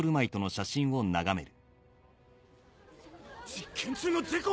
実験中の事故？